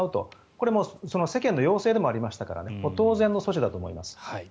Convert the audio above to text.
これは世間の要請でもありましたから当然の措置だと思います。